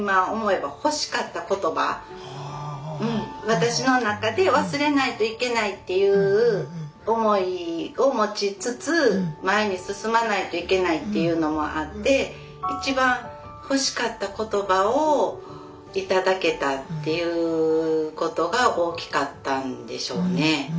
私の中で忘れないといけないっていう思いを持ちつつ前に進まないといけないっていうのもあって一番欲しかった言葉を頂けたっていうことが大きかったんでしょうね。